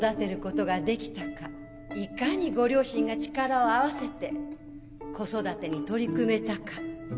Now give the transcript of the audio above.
いかにご両親が力を合わせて子育てに取り組めたか？